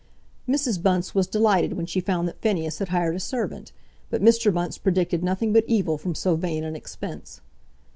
Mrs. Bunce was delighted when she found that Phineas had hired a servant; but Mr. Bunce predicted nothing but evil from so vain an expense.